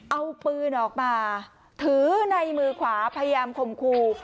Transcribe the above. เอาปืนออกมาถือในมือขวาพยายามข่มครู